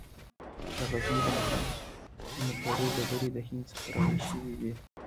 د غزني د محمود د مقبرې ډبرې د هند څخه راوړل شوې وې